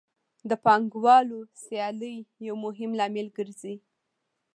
د پانګوالو سیالي یو مهم لامل ګرځي